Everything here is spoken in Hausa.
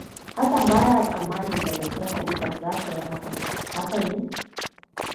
Hassan ba ya tsammanin da gaske Khalifat za ta yi hakan, haka ne?